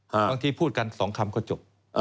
บางทีพูดกัน๒คำก็จบ